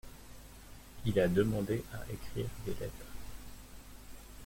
Il a demandé à écrire des lettres.